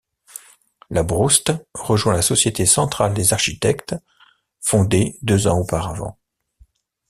Labrouste rejoint la Société centrale des architectes, fondée deux ans auparavant.